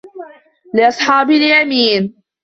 لِأَصحابِ اليَمينِ